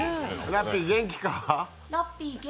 ラッピー、元気か？